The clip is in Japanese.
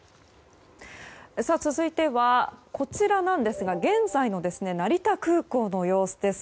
続いてはこちらなんですが現在の成田空港の様子です。